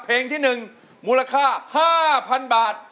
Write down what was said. เพลงที่๑มูลค่า๕๐๐๐บาท